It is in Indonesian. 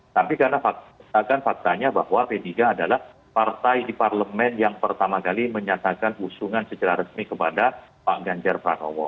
tapi karena faktanya bahwa p tiga adalah partai di parlemen yang pertama kali menyatakan usungan secara resmi kepada pak ganjar pranowo